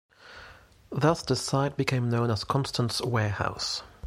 Thus the site became known as Constant's Warehouse.